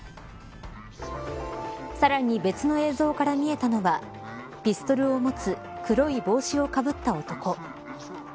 さらに別の映像から見えたのはピストルを持つ黒い帽子をかぶった男。